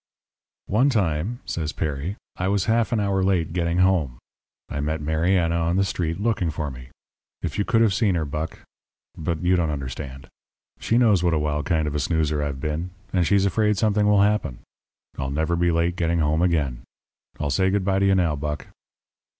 "'One time,' says Perry, 'I was half an hour late getting home. I met Mariana on the street looking for me. If you could have seen her, Buck but you don't understand. She knows what a wild kind of a snoozer I've been, and she's afraid something will happen. I'll never be late getting home again. I'll say good bye to you now, Buck.'